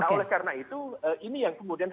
nah oleh karena itu ini yang kemudian